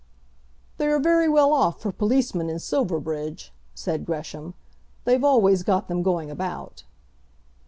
"They are very well off for policemen in Silverbridge," said Gresham. "They've always got them going about."